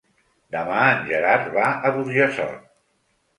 Demà en Gerard va a Burjassot.